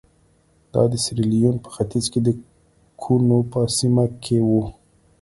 دا د سیریلیون په ختیځ کې د کونو په سیمه کې وو.